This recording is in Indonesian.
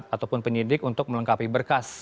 ataupun penyidik untuk melengkapi berkas